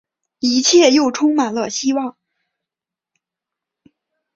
一切又充满了希望